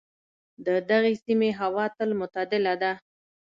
د دغې سیمې هوا تل معتدله ده.